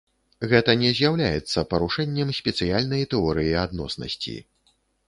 Гэта не з'яўляецца парушэннем спецыяльнай тэорыі адноснасці.